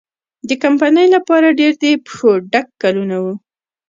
د کمپنۍ لپاره ډېر د پېښو ډک کلونه وو.